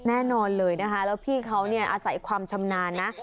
แน่นอนเลยนะคะแล้วพี่เขาเนี่ยอาศัยความชำนาญนะ